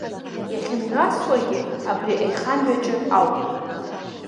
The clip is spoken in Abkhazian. Иахьымҩасуагьы абри аихамҩаҿы ауп!